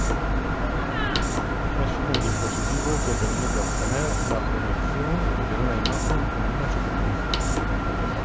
Es un dispositivo que permite obtener la proyección de una imagen en una superficie.